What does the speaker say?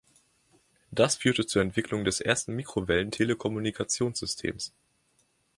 Das führte zur Entwicklung des ersten Mikrowellen-Telekommunikationssystems.